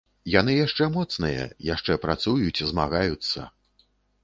Яны яшчэ моцныя, яшчэ працуюць, змагаюцца.